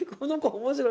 面白い。